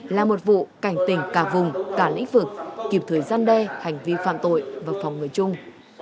là một vụ cảnh tình cả vùng cả lĩnh vực kịp thời gian đe hành vi phạm tội và phòng người chung